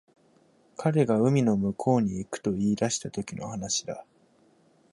彼が海の向こうに行くと言い出したときの話だ